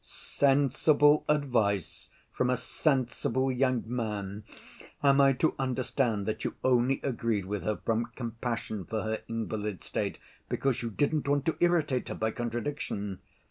"Sensible advice from a sensible young man. Am I to understand that you only agreed with her from compassion for her invalid state, because you didn't want to irritate her by contradiction?"